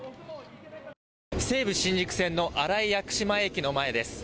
西武新宿線の新井薬師前駅の前です。